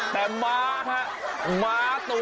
แต่หมาฮะ